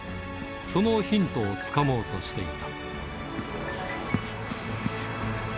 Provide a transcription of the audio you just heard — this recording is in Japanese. そのヒントをつかもうとしていた。